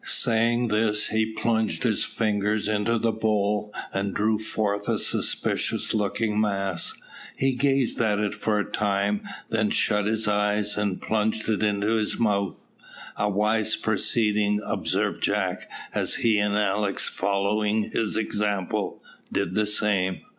Saying this he plunged his fingers into the bowl, and drew forth a suspicious looking mass. He gazed at it for a time, then shut his eyes, and plunged it into his mouth. "A wise proceeding," observed Jack, as he and Alick, following his example, did the same.